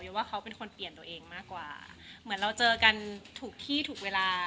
ว่าเขาเป็นคนเปลี่ยนตัวเองมากกว่าเหมือนเราเจอกันถูกที่ถูกเวลา